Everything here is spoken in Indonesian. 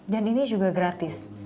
dan ini juga gratis